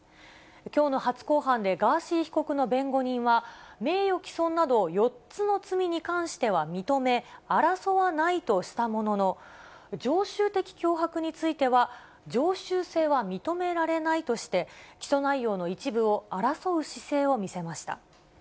きょうの初公判で、ガーシー被告の弁護人は、名誉毀損など４つの罪に関しては認め、争わないとしたものの、常習的脅迫については、常習性は認められないとして、起訴内容の一部を争う姿勢を見せました。